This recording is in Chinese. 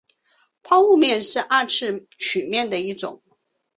抛物面是二次曲面的一种。